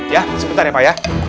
ya sebentar ya pak ya